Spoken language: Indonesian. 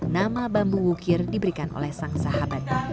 nama bambu wukir diberikan oleh sang sahabat